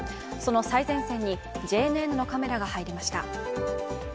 その最前線にＪＮＮのカメラが入りました。